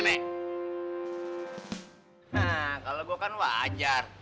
nah kalau gue kan wajar